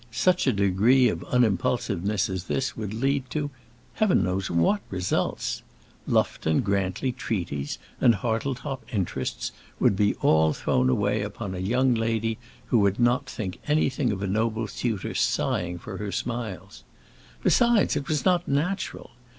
Such a degree of unimpulsiveness as this would lead to heaven knows what results! Lufton Grantly treaties and Hartletop interests would be all thrown away upon a young lady who would not think anything of a noble suitor sighing for her smiles. Besides, it was not natural.